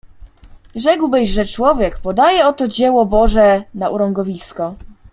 "Rzekłbyś, że człowiek oto podaje dzieło Boże na urągowisko."